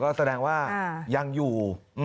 ก็แสดงว่ายังอยู่